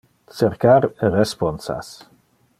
Cercar responsas.